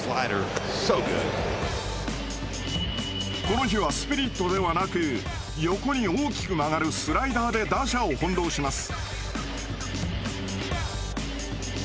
この日はスプリットではなく横に大きく曲がるスライダーで打者を翻弄します。